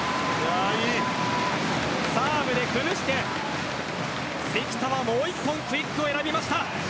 サーブで崩して関田はもう１本、クイックを選びました。